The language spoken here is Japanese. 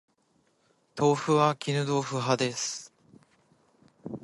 豆腐は絹豆腐派です